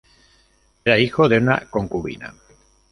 Era hijo de una concubina.